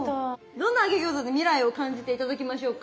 どんな揚げ餃子で未来を感じて頂きましょうか？